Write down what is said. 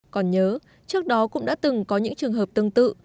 còn nhớ trước đó cũng đã từng có những trường hợp tương tự